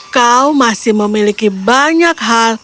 kau masih memiliki banyak hal